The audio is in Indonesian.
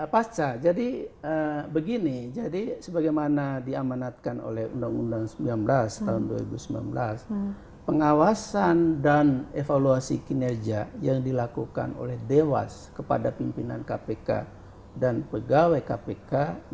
pasca jadi begini jadi sebagaimana diamanatkan oleh undang undang sembilan belas tahun dua ribu sembilan belas pengawasan dan evaluasi kinerja yang dilakukan oleh dewas kepada pimpinan kpk dan pegawai kpk